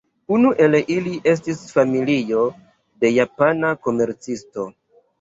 Unu el ili estis familio de japana komercisto.